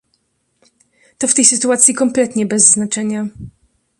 To w tej sytuacji kompletnie bez znaczenia.